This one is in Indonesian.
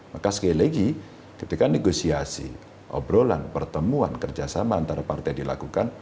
maka sekali lagi ketika negosiasi obrolan pertemuan kerjasama antara partai dilakukan